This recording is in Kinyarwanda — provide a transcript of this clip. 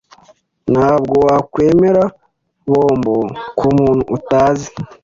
Ntabwo wakwemera bombo kumuntu utazi.